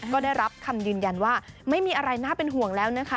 ก็ได้รับคำยืนยันว่าไม่มีอะไรน่าเป็นห่วงแล้วนะคะ